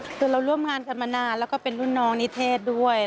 คือเราร่วมงานกันมานานแล้วก็เป็นรุ่นน้องนิเทศด้วย